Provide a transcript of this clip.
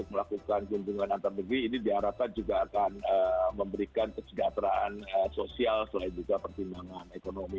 melakukan kunjungan antar negeri ini diharapkan juga akan memberikan kesejahteraan sosial selain juga pertimbangan ekonomi